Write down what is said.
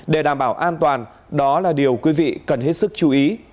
để đảm bảo an toàn đó là điều quý vị cần hết sức chú ý